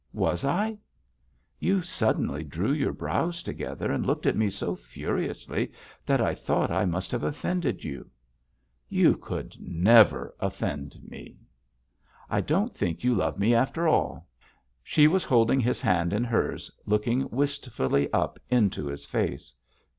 "Was I?" "You suddenly drew your brows together and looked at me so furiously that I thought I must have offended you." "You could never offend me." "I don't think you love me after all." She was holding his hand in hers, looking wistfully up into his face.